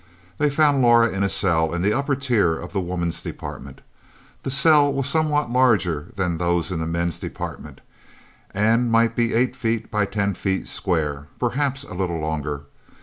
They found Laura in a cell in the upper tier of the women's department. The cell was somewhat larger than those in the men's department, and might be eight feet by ten square, perhaps a little longer.